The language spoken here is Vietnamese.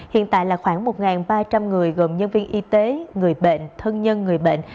hiện tại là khoảng một ba trăm linh người gồm nhân viên y tế người bệnh thân nhân người bệnh